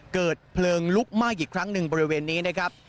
เกิดเพลิงลุกไหม้อีกครั้งหนึ่งบริเวณนี้นะครับ